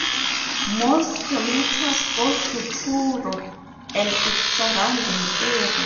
Most commuters go to Truro and its surrounding area.